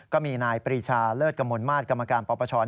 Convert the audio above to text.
ก็มีนายปรีชาเลิศกมลมาตรกรรมการปปช